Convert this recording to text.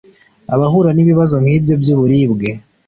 Abahura n’ibibazo nk’ibyo by’uburibwe